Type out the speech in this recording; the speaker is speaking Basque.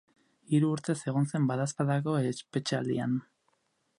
Hiru urtez egon zen badaezpadako espetxealdian.